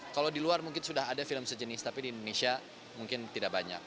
kalau di luar mungkin sudah ada film sejenis tapi di indonesia mungkin tidak banyak